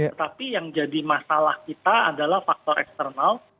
tetapi yang jadi masalah kita adalah faktor eksternal